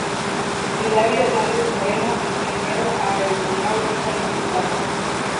Hilario Hernández Moreno, ingeniero aeronáutico mexicano